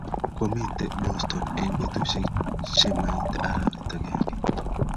Kwomite Boston eng betusiek chemoite arawet agenge